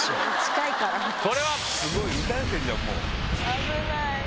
危ない！